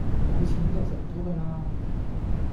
冇錢就食唔到架喇